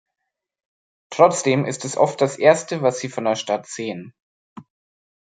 Trotzdem ist es oft das Erste, was sie von der Stadt sehen.